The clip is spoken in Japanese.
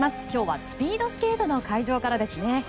今日はスピードスケートの会場からですね。